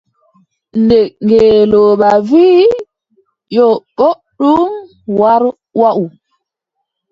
Nde ngeelooba wii :« yo, booɗɗum war waʼu. ».